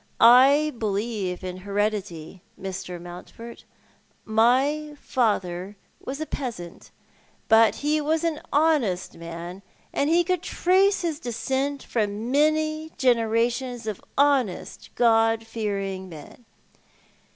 I believe in heredity, Mr. Mountford. My father was a peasant, but he was an honest man, and he could trace his descent from many generations of honest, God fearing men.